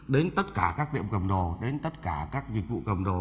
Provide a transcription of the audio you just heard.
đến tất cả các tiệm cầm đồ đến tất cả các dịch vụ cầm đồ